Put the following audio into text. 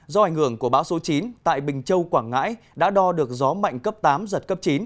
do ảnh hưởng của bão số chín tại bình châu quảng ngãi đã đo được gió mạnh cấp tám giật cấp chín